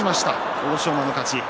欧勝馬の勝ち。